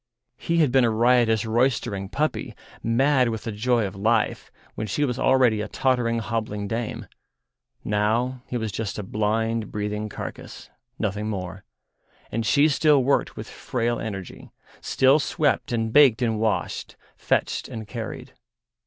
He had been a riotous, roystering puppy, mad with the joy of life, when she was already a tottering, hobbling dame; now he was just a blind, breathing carcase, nothing more, and she still worked with frail energy, still swept and baked and washed, fetched and carried.